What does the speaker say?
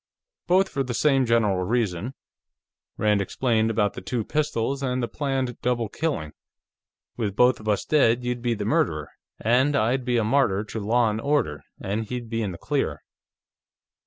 "Both for the same general reason." Rand explained about the two pistols and the planned double killing. "With both of us dead, you'd be the murderer, and I'd be a martyr to law and order, and he'd be in the clear."